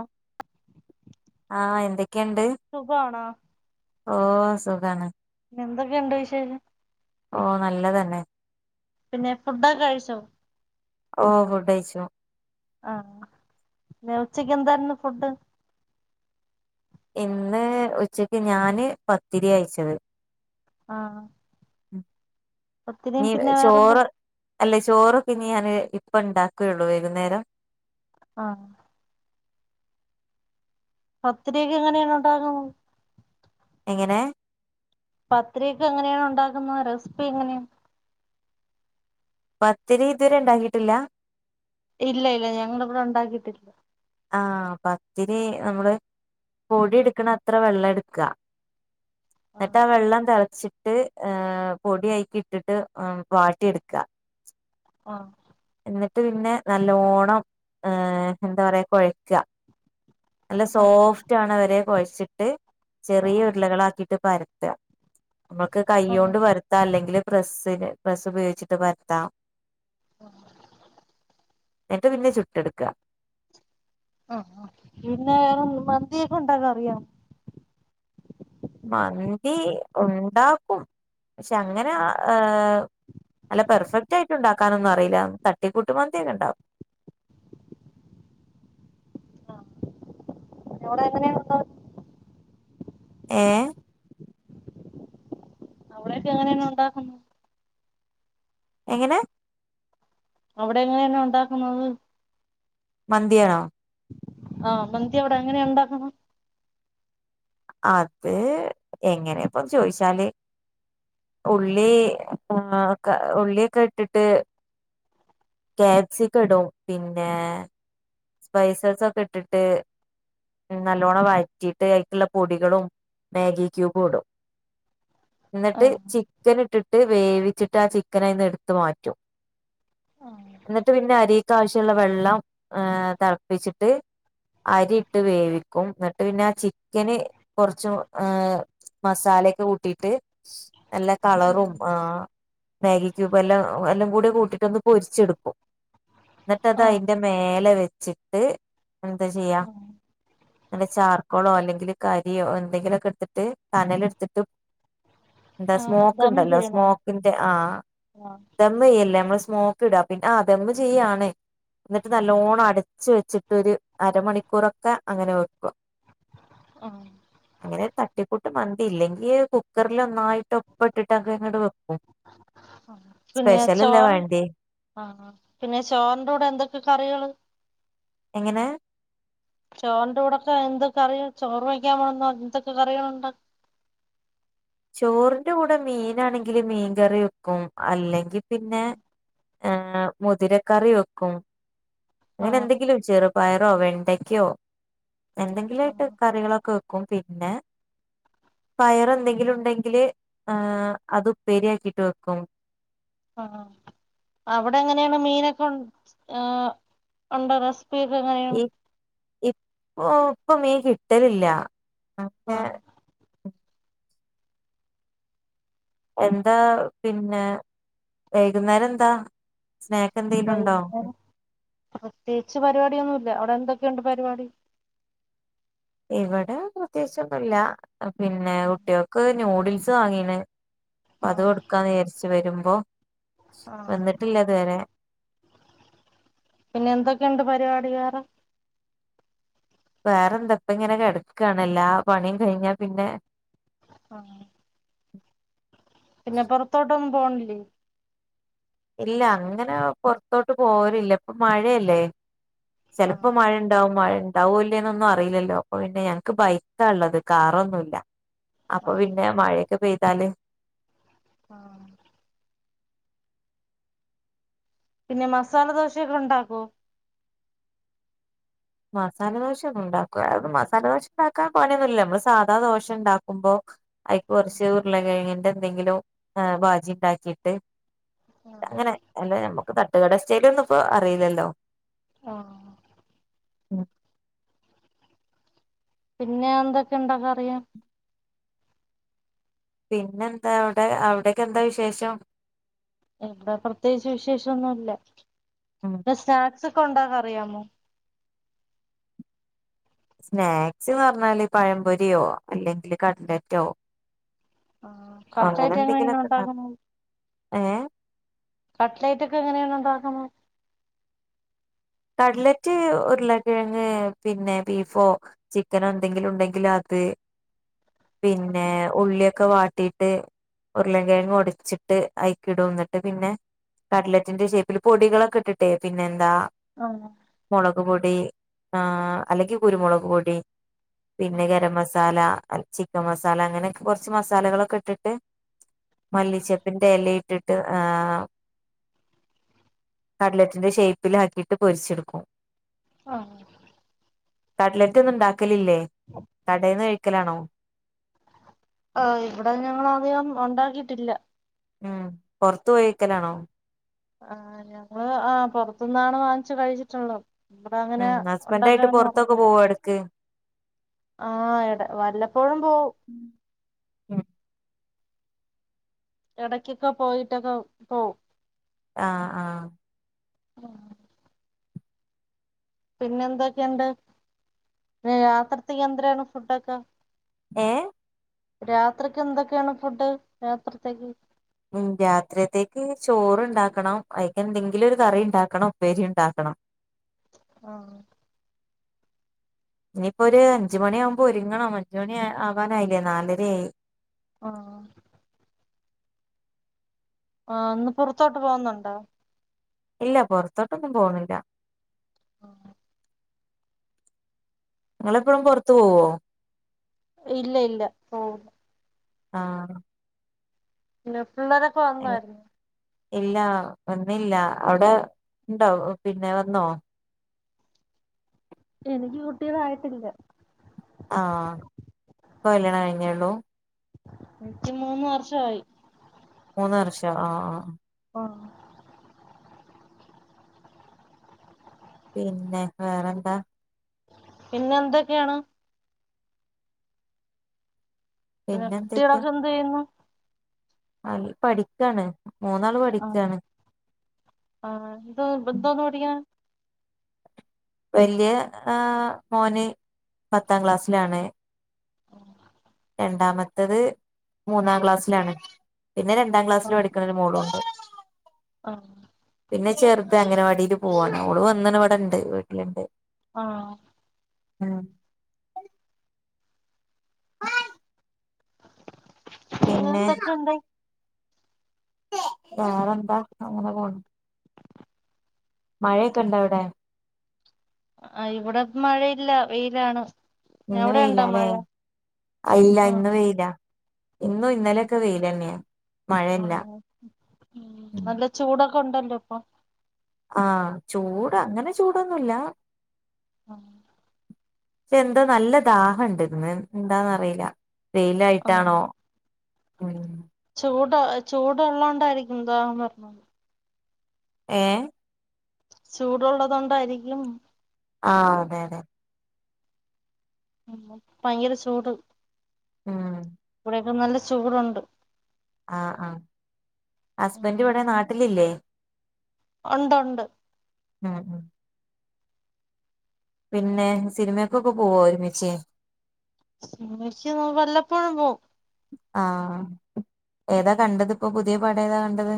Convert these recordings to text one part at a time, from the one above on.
O ആഹ് എന്തെക്കെ ഇണ്ട് സുഖാണോ ഓഹ് സുഖാണ് പിന്നെ എന്തൊക്കെ ഇണ്ട് വിശേഷം ഓഹ് നല്ലതെന്നെ പിന്നെ ഫുഡാെക്കെ കഴിച്ചോ ഓഹ് ഫുഡ്കയിച്ചു ആഹ് ഇന്ന് ഉച്ചക്ക് എന്തായിരുന്നു ഫുഡ് ഇന്ന് ഉച്ചക്ക് ഞാന് പത്തിരിയാ കയിച്ചത് ആഹ് ആഹ് ഉം ഇഞ്ഞ് പിന്നെ വേറെന്ത ചോറ് അല്ലെ ചോറൊക്കെ ഇഞ്ഞ് ഞാന് ഇപ്പഇണ്ടാക്കാെള്ളൂ വൈക്ന്നേരം ആഹ് പത്തിരിയെക്കെ എങ്ങനെയാണ് ഉണ്ടാക്കുന്നത് എങ്ങനെ പത്തിരി ഒക്കെ എങ്ങനെയാണ് ഉണ്ടാക്ക്ന്നത് റെസ്പ്പി എങ്ങനേണ് പത്തിരി ഇതുവരെ ഇണ്ടാക്കിയിട്ടില്ല ഇല്ല ഇല്ല ഞങ്ങള് ഇവടെ ഉണ്ടാക്കിയിട്ടില്ല ആഹ് പത്തിരി നമ്മള് പൊടി ഇട്ക്ക്ണ അത്രെ വെള്ളം ഇട്ക്കാ ആഹ് ഇന്ന്ട്ടാ ആ വെള്ളം തെളച്ചിട്ട് പൊടി ഐക്ക് ഇട്ടിട്ട് ഉം വാട്ടി ഇട്ക്കാ വാണം ഇന്ന്ട്ട് പിന്നെ നല്ലോണം ഹ് എന്താ പറയാ കാെയക്കാ നല്ല ആഹ് സോഫ്റ്റ് ആവ്ണത് വെരെ കൊയച്ച്ട്ട് ചെറിയ ആഹ് ഉര്ളകളാക്കീട്ട് പരത്താ ഇമ്മക്ക് ആഹ് കയ്യോണ്ട് പരത്താ അല്ലെങ്കില് പ്രസ്സിന് പ്രസ് ഉപയോഗിച്ചിട്ട് പരത്താം ആഹ് എൻട്ട് പിന്നെ ചുട്ടെട്ക്കാ ആഹ് ആഹ് പിന്നെ മന്തിയൊക്കെ ഉണ്ടാക്കാൻ അറിയാേ മന്തി ഉണ്ടാക്കും പക്ഷെ അങ്ങനെ ഹ് നല്ല പെർഫെക്റ്റ് ആയിട്ട് ഉണ്ടാ ക്കാനൊന്നും അറീല തട്ടിക്കൂട്ട് മന്തിയെക്കെ ഇണ്ടാക്കും ആഹ് ഇവടെ എങ്ങനെയാ ഉണ്ടാക്കും ഏഹ്‌ അവടെയെക്കെ എങ്ങനെയാണ് ഉണ്ടാക്കുന്നത് എങ്ങനെ അവടെ എങ്ങനെയാണ് ഉണ്ടാക്കുന്നത് മന്തിയാണോ ആഹ്‌ മന്തി അവടെ എങ്ങനെയാ ഇണ്ടാക്ക്ന്ന് അത് എങ്ങനെ ഇപ്പോന്ന് ചോയിച്ചാല് ഉള്ളി ആ ഒക്കെ ഉള്ളിയെക്കെ ഇട്ട്ട്ട് ക്യാപ്സിക്കം ഇടും പിന്നെ സ്പൈസസ് ഒക്കെ ഇട്ടിട്ട് നല്ലോണ്ണം വയറ്റി ട്ട് അയ്ക്ക്ള്ള പൊടികളും മാഗി ക്യൂബ് ഇടും ന്നിട്ട് ആഹ് ചി ക്കന്ട്ട്ട്ട് വേവിച്ചിട്ട് ആ ചിക്കനയിന്ന് എടുത്ത് മാറ്റും. ആഹ് ന്നിട്ട് പിന്നെ അരീക്കാവശ്യള്ള വെള്ളം ഏ തൾപ്പിച്ചിട്ട് അരീട്ട് വേവിക്കും. ന്നട്ട് പിന്നെ ആ ചിക്കന് കൊർച്ചും ഏഹ്‌ മസാലൊക്കെ കൂട്ടിട്ട് നല്ല കളറും ആഹ് ആഹ്‌ മാഗി ക്യൂബ് എല്ലാം എല്ലാം കൂടി കൂട്ടിട്ടോന്ന് പൊരിച്ചെടുക്കും. ആഹ് ന്നിട്ടതയിന്റെ മേലെ വെച്ചിട്ട് ന്താ ചെയ്യാ ആ ന്നെ ചാർക്കോളോ അല്ലെങ്കില് കരിയോ എന്തെങ്കിലൊക്കെ ഇട്ത്ത്ട്ട് കനല് ഇട്ത്തിട്ട് എന്താ ആ, സ്മോക്ക് ദം ഇണ്ടല്ലോ ചെയ്യണോ സ്മോക്കിന്റെ ആ ആ ദമ്മെയ്യല്ലേ നമ്മള് സ്മോ ക്ക്ടാ പിന്നെ ആഹ് ദമ്മ് ചെയ്യാണ് ന്നിട്ട് നല്ലോണം ച്ച് വെച്ചിട്ടരു അരമണിക്കൂറൊക്കെ അങ്ങനെ വെക്ക ആഹ്‌ അങ്ങനെരു തട്ടിക്കൂട്ട് മന്തി ഇല്ലെങ്കി കുക്കർല് ഒന്നായിട്ടും പ്പ്ട്ടിട്ടക്കെങ്ങട് വെക്കും സ്പെഷ്യൽ അല്ലെ വേണ്ട്യീ ആഹ്‌ പിന്നെ ചോറിന്റെ കൂടെ എന്തൊക്കെ കറികള്? എങ്ങനെ ചോറിന്റെ കൂടെക്കെ എന്ത്‌ കറി ചോറ് വയ്ക്കാൻ പോണേന്നോ എന്തൊക്കെ കറികളുണ്ട് ചോറ്ന്റെ കൂടെ മീനാണെങ്കില് മീൻകറി വെക്കും അല്ലെങ്കി പിന്നെ ഏഹ് മുതിരക്കറി വെക്കും. ആ അങ്ങനെന്തെങ്കിലും ചെറുപയറോ വെണ്ടയ്ക്കോ എന്തെങ്കിലും ആ ആയിട്ട് കറികളൊക്കെ വെ ക്കും പിന്നെ പയറെന്തെങ്കിലും ഇണ്ടെങ്കില് അത് ഉപ്പേരിയാക്കിട്ട് വെക്കും. ആഹ്‌ അവിടെ എങ്ങനെയാണ് മീനൊക്കെ ണ്ട് ഏഹ്‌ ഉണ്ടോ [unintelligible] എങ്ങനെയാണ് ഈ ഇപ്പൊ ഇപ്പൊ മീൻ കിട്ടലില്ല. അങ്ങനെ ആഹ്‌ എന്താ പിന്നെ വൈകുന്നേരം എന്താ സ്നാ വൈകുന്നേരം പ്രത്യേകിച്ച് പരിപാടിയൊന്നുല്ല. അവിടെ എന്തൊക്കെയുണ്ട് പരിപാടി? ഇവടെ പ്രത്യേകിച്ചൊന്നുല്ല. പിന്നെ കുട്ടിയോ ക്ക് ന്യൂഡിൽസ് വാങ്ങീണ്. ആ അപ്പ അത് കൊടുക്കാന്ന് രാര്ച്ചു വരുമ്പോ ആ വന്നിട്ടില്ലെതുവരെ പിന്നെന്തൊക്കെയുണ്ട് പരിപാടി വേറെ വേറെന്തപ്പ ഇങ്ങനെ കെടക്കാണ്. എല്ലാ പണിയും കഴിഞ്ഞാ പിന്നെ പിന്നെ പൊറത്തോട്ടൊന്നും പോണില്ലേ? ഇല്ല അങ്ങനെ പൊർത്തോട്ട് പോവലില്ല ഇപ്പൊ മഴയല്ലേ ആ ചെലപ്പോ മഴണ്ടാവും മഴ ണ്ടാവോല്ലേന്നൊന്നും അറീലല്ലോ. അപ്പൊ പിന്നെ ഞങ്ങക്ക് ബൈക്കാള്ളത് കാറൊന്നുല്ല. അപ്പൊ ആ പിന്നെ മഴക്കെ പെയ്താല് ആഹ്‌ പിന്നെ മസാല ദോശൊക്കെ ഉണ്ടാക്കോ? മസാലദോശന്നും ഉണ്ടാക്കു മസാലദോശ ഉണ്ടാക്കാൻ പണിയൊന്നുല്ല മ്മള് സാധാ ദോശ ഇണ്ടാക്കുമ്പോ അയ്ക്ക് കൊർച്ച് ഉര്ളകേങ്ങിന്റെ എന്തെങ്കിലും ബാജി ഇണ്ടാക്കിട്ട്. അങ്ങനെ അല്ല ഞമ്മക്ക് തട്ടുകട സ്റ്റെയ്ലൊന്നും ഇപ്പോ അറീല്ലല്ലോ. ആഹ്. ഉം. പിന്നെ എന്തക്കെണ്ട് പറിയാൻ പിന്നെന്തവടെ അവടെക്കെന്താ വിശേഷം? ഇവടെ പ്രത്യേകിച്ച് വിശേഷൊന്നുല്ല ഉം ന്നെ സ്നാക്സൊക്കൊണ്ടാക്കറിയാമോ? സ്നാക്സ്ന്ന് പർഞ്ഞാല് പഴംപൊര്യോ അല്ലെങ്കില് കട്ലറ്റോ കട്ട്ലൈറ്റ് എങ്ങനെയാണ് അങ്ങനെന്തെങ്കിലൊക്കെണ്ടാക്കും. ഉണ്ടാക്കുന്നത് ഏഹ്? കട്ട്ലൈറ്റൊക്കെങ്ങനെണ് ണ്ടാക്ക്ണെ? കട്ട്ലറ്റ് ഉരുള കിഴങ്ങ് പിന്നെ ബീഫോ ചിക്കനൊ ന്തെങ്കിലുണ്ടെങ്കിലത് പിന്നെ ഉള്ള്യൊക്കെ വാട്ടിട്ട് ഉരുള കിഴങ്ങ് ഒട്ച്ചിട്ട് അയ്ക്ക്ടും ന്നട്ട് പിന്നെ കട്ലറ്റിന്റെ ഷേപ്പില് പൊടികളൊക്കെട്ട്ട്ടെ പിന്നെന്താ ആഹ്. മൊളക് പൊടി ആഹ് അല്ലെങ്കി കുരുമുളക് പൊടി. പിന്നെ ഗരം മസാല ചിക്കൻ മസാല അങ്ങനെക്കെ കോർച്ച് മസാലകളൊക്കെട്ട്ട്ട് മല്ലി ചെപ്പ് ന് എലേട്ടിട്ട് ആഹ് കട്ലറ്റ്ന്റെ ഷേപ്പിലാക്കി ട്ട് പൊര്ച്ച്ട്ക്കും. ആഹ്. കട്ലറ്റൊന്നുണ്ടാക്കലില്ലേ കടേന്ന് കഴിക്കലാണോ. ആഹ് ഇവടെ ഞങ്ങള് അതികം ഉണ്ടാക്കിട്ടില്ല. ഉം പൊർത്ത് പോയി കയിക്കലാണോ. ആഹ് ഞങ്ങള് ആഹ് പൊർത്ത്ന്നാണോ വാങ്ങിച്ച് കഴിച്ചിട്ടുള്ളത്. ഇവടങ്ങനാ ഉണ്ടാക്കാനൊന്നും അറിഞ്ഞൂടാ. പട്ക്ക്. ആഹ് ടാ വല്ലപ്പോഴും പോവും. എടയ്ക്കൊക്കെ പോയിട്ടൊക്കെ പോവും. ആഹ് ആഹ്. ആഹ് പിന്നെന്തെക്കെണ്ട് രാത്രി ത്ത്ക്ക് എന്ത്രേണ് ഫുഡൊക്കെ? ഏഹ്? രാത്രി ക്കെന്തെക്കെണ് ഫുഡ് രാത്രിത്തേക്ക്. ഉം രാത്രിയത്തേക്ക് ചോറ്ണ്ടാക്കണം അയ്ക്കെന്തെങ്കിലൊര് കറി ണ്ടാക്കണം. ഉപ്പേര്യുണ്ടാക്കണം. ആഹ്. ഇഞ്പ്പോര് അഞ്ച് മണ്യാവുമ്പോ ഒര്ങ്ങണം അഞ്ച് മണി ആവാനായില്ലേ നാലെര്യായി. ആഹ്. ആഹ് ഇന്ന് പൊറത്തോട്ട് പോവുന്നുണ്ടോ? ഇല്ല പൊറത്തോട്ടൊന്നും പോണില്ല. ആഹ് നിങ്ങളെപ്പളും പൊർത്ത് പോവോ? ഇല്ല ഇല്ല പോവൂല. ആഹ് പിന്നെ പിള്ളാരൊക്കെ വന്നായിര്ന്നാ? ഇല്ല വന്നില്ല. അവടെ ണ്ടോ പിന്നെ വന്നോ? എനിക്ക് കുട്ട്യൊന്നായിട്ടില്ല. ആ പ്പ കല്ല്യാണം കഴിഞ്ഞേള്ളൂ? ഇൻക്ക്മൂന്ന് വർഷയി. മൂന്ന് വർഷം ആ ആ. ഓആ പിന്നെ വേറെന്താ? പിന്നെ എന്തൊക്കെയാണ്? പിന്നെ കുട്ട്യേളൊക്കെ എന്ത് യ്യുന്നു.? അൽ പഠിക്കണ് മൂന്നാള് പഠിക്കാണ്. ആഹ ഇന്തോ ഇന്തോന്ന് പഠിക്ക്ണ് വെല്ല്യ ഏ മോന് പത്താം ക്ലാസ്സിലാണ്. [inaudible] രണ്ടാമത്തത് മൂന്നാ ക്ലാസ്സിലാണ് പിന്നെ രണ്ടാം ക്ലാസ്സില് ആഹ് പഠിക്കണരു മോളുണ്ട്. ആഹ്. പിന്നെ ചെറ്ത് അങ്ങനവാടില് പോവാണ് ഓള് വന്ന്ണ് ഇവടെണ്ട് വീട്ടില്ണ്ട്. ആഹ്.. ആ. പിന്നെ എന്തൊക്ക്യോണ്ട്? വേറെ എന്താ അങ്ങനെ പോണ്. മഴക്കെ ണ്ടോ അവ്ടെ? ആ ഇവിടെ മഴയില്ല വെയിലാണ്. ഇന്ന് അവിടെ ഇണ്ടോ വെയിലാല്ലേ മഴ ഇല്ല ആഹ്. ഇന്ന് വെയിലാ ഇന്നും ഇൻ ആ നല്ല ചൂടൊക്കെ ഉണ്ടല്ലോ പ്പം. ആഹ ചൂട് അങ്ങനെ ചൂടൊന്നുല്ല. ആ. പി എന്താ നല്ല ദാഹ ണ്ട് ന്ന് എന്താന്നറിയില ആഹ് വെയിലായ്ട്ടാണോ ഉം.. ചൂട് ചൂടുള്ളോണ്ടായിരിക്കും ദാഹം വര്ണത്. ഏ.? ചൂടുള്ളോതോണ്ട് ത്തയിരിക്കും ആ അതെ അതെ. മ് ഭയങ്കര ചൂട്. മ് ഇവിടെനല്ല ചൂടുണ്ട്. ആ ആഹ ഹസ്ബന്റ് വടെ നാട്ടിലില്ലേ? ഒണ്ട് ഒണ്ട്. ആഹ് പിന്നെ സിനിമക്കൊക്കെ പോവോ ഒരുമിച്ച്? സിനിമയ്ക് വല്ലപ്പോഴും പോവു. ആഹ ഏതാ കണ്ടത് ഇപ്പോ പുത്യേ പടം ഏതാ കണ്ടത്?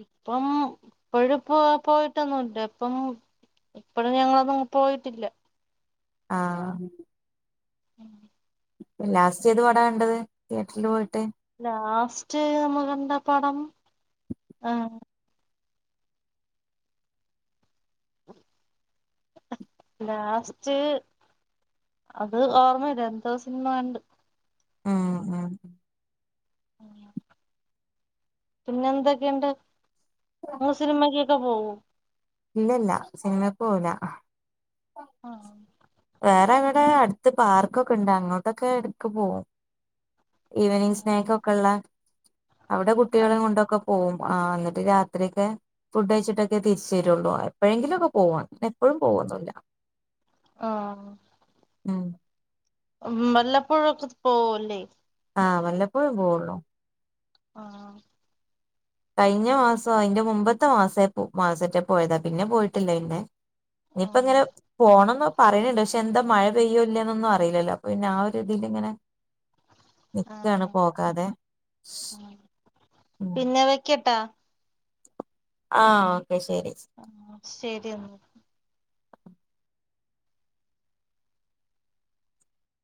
ഇപ്പം ഇപ്പഴുംപ്പോ പോയിട്ടൊന്നും ല്ല ഇപ്പം ഇപ്പഴ് ഞങ്ങളതും ഒത്ത്പോയിട്ടില്ല. ആഹ. [inaudible] ലാസ്റ്റ് ഏത് പട കണ്ടത് തിയേറ്റ്റ്ല്ല് പോയിട്ട്? ലാസ്റ്റ് നമ്മക്കണ്ടാപടം ഹാ, [inaudible] ലാസ്റ്റ് അത് ഓർമ്മല്ല എന്തോ സിനിമ കണ്ട്. ആഹാ, ആഹാ, പിന്നെ എന്തൊക്കെയുണ്ട്, [unintelligible] സിനിമയ്ക്ക്? പ്പ പോവു. ഇല്ല, ഇല്ല സിനിമക്ക് പോവൂല. ആഹാ, ഹാ.. വേറെ എവടെ അട്ത്ത്- പാർക്കൊക്കെണ്ട്, അങ്ങോട്ടൊക്കെ എടക്ക് പോവും. ഈവനിങ് സ്നാക്കൊക്കെള്ള, അവടെ ആ കുട്ട്യാളേം കൊണ്ടൊക്കെ- പോവും, ആഹാ ന്നിട്ട് രാത്രിക്കെ ഫുഡഴിച്ചിട്ടൊക്കെ തിരിച്ച- ശര്യോള്ളൂ, എപ്പഴെങ്കിലൊക്കെ പോവ, എപ്പോഴും പോവൊന്നുല്ല. ആഹാ... മ്മ്. മ്മ് വല്ലപ്പോഴൊക്കെ പോവോലെ? ആഹ് വല്ലപ്പോഴേ പോവൊള്ളൂ. ആഹ്. കയ്ഞ്ഞ മാസോ, അയ്ന്റെ മുമ്പത്ത മാസയപ്പോ മാസറ്റെ പോയതാ, പിന്നെ പോയിട്ടില്ല, ഇന്റെ- ആ ഇനിപ്പങ്ങനെ- പോണംന്ന പറയണണ്ട്, പക്ഷെ എന്താ മഴ പെയ്യോ, ഇല്ലേ ന്നൊന്നും- അറിയിലല്ലോ, അപ്പ പിന്ന ആഹാ ഒരുരിതിലിങ്ങനെ. ആ നിക്കാണ് പോകാതെ. ഉം പിന്നെ വെക്കട്ടാ? ആഹാ ഓക്കെ ശരി. ആ ശരെന്നാ...